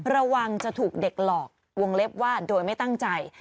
ระวังจะถูกเด็กหลอกวงเล็บว่าโดยไม่ตั้งใจ